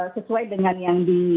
sesuai dengan yang di